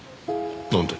なんで？